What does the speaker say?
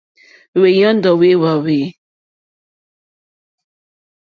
Wéyɔ́ndɔ̀ wé wáwî.